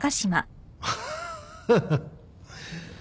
ハッハハ！